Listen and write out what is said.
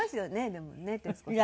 でもね徹子さんね。